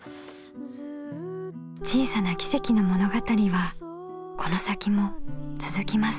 小さな奇跡の物語はこの先も続きます。